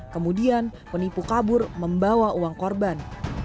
kemudian penipu kabur membawa uang korban